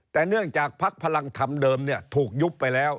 แต่เนื่องจากพักพลังธรรมเดิมถูกยุบไปแล้ว